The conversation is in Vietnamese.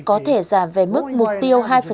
có thể giảm về mức mục tiêu hai